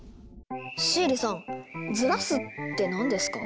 シエリさん「ずらす」って何ですか？